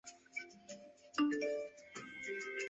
颗粒毛壳蟹为扇蟹科毛壳蟹属的动物。